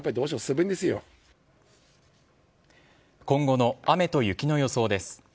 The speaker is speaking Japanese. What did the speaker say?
今後の雨と雪の予想です。